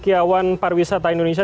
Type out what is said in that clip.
kiawan parwisata indonesia